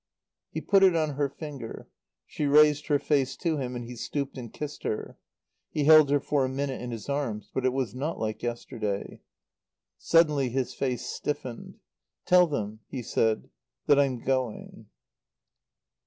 He put it on her finger; she raised her face to him and he stooped and kissed her. He held her for a minute in his arms. But it was not like yesterday. Suddenly his face stiffened. "Tell them," he said, "that I'm going."